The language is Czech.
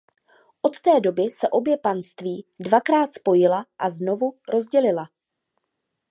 Od té doby se obě panství dvakrát spojila a znovu rozdělila.